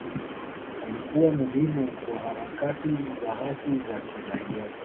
Alikuwa muhimu kwa harakati za haki za kiraia.